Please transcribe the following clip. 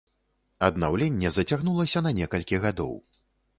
Аднаўленне зацягнулася на некалькі гадоў.